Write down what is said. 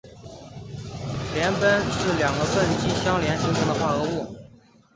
联苯是两个苯基相连形成的化合物。